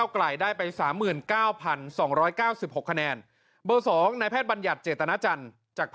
กายุ่ง